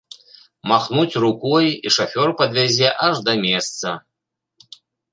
Махнуць рукой, і шафёр падвязе аж да месца.